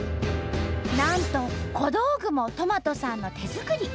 なんと小道具もとまとさんの手作り！